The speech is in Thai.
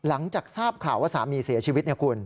หลังจากทราบข่าวว่าสามีเสียชีวิตนะคุณ